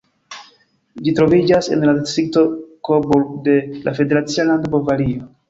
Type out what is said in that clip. Ĝi troviĝas en la distrikto Coburg de la federacia lando Bavario.